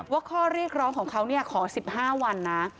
ว่าข้อเรียกร้องของเขาขอ๑๕วันนะ